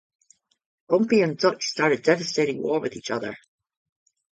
Bumpy and Dutch start a devastating war with each other.